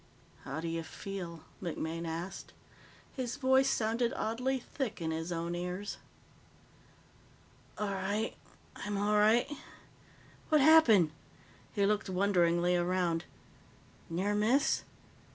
"How do you feel?" MacMaine asked. His voice sounded oddly thick in his own ears. "All right. I'm all right. What happened?" He looked wonderingly around. "Near miss?